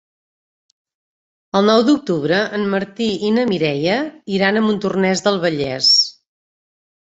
El nou d'octubre en Martí i na Mireia iran a Montornès del Vallès.